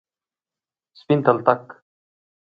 سپین تلتک،